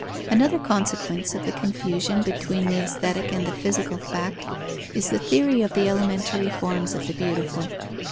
_ Another consequence of the confusion between the aesthetic and the physical fact is the theory of the elementary forms of the beautiful.